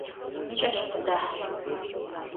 Mıç'e şsukhıdah!